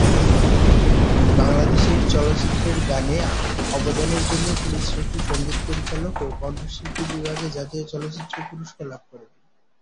বাংলাদেশের চলচ্চিত্রের গানে অবদানের জন্য তিনি শ্রেষ্ঠ সঙ্গীত পরিচালক ও কণ্ঠশিল্পী বিভাগে জাতীয় চলচ্চিত্র পুরস্কার লাভ করেন।